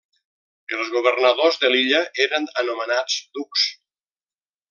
Els governadors de l'illa eren anomenats dux.